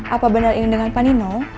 apa benar ini dengan pak nino